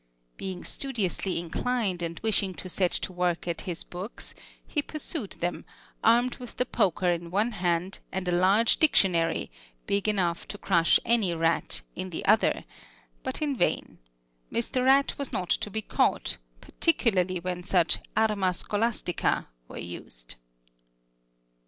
Being studiously inclined, and wishing to set to work at his books, he pursued him, armed with the poker in one hand, and a large dictionary, big enough to crush any rat, in the other; but in vain; Mr. Rat was not to be caught, particularly when such "arma scholastica" were used.